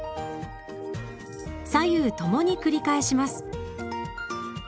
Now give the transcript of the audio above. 左右ともに繰り返します。